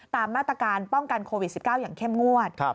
ตามมาตรการป้องกันโควิด๑๙อย่างเข้มงวด